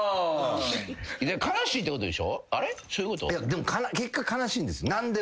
でも結果悲しいんです何でも。